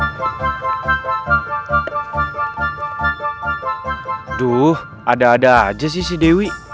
aduh ada ada aja sih si dewi